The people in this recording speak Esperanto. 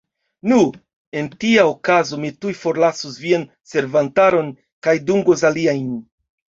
Nu, en tia okazo mi tuj forlasos vian servantaron kaj dungos aliajn.